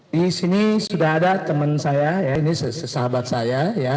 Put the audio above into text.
di sini sudah ada teman saya ini sahabat saya